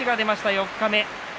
四日目。